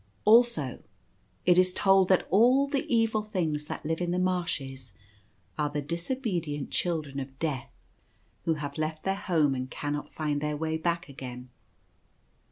Also it is told that all the evil things that live in the marshes are the disobedient Chil dren of Death who have left their home and cannot find their way back again.